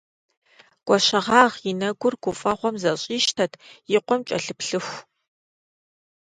Гуащэгъагъ и нэгур гуфӀэгъуэм зэщӀищтэт и къуэм кӀэлъыплъыху.